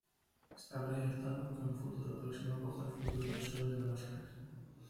Está proyectado que en un futuro próximo acoja el futuro museo de Lola Flores.